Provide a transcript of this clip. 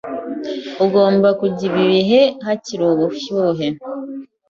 Ugomba kurya ibi mugihe hakiri ubushyuhe.